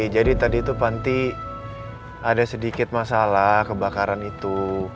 jadi tadi itu panti ada sedikit masalah kebakaran itu